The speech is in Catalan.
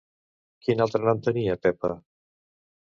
Quin altre nom tenia Pepa?